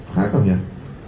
khá là cầm nhạt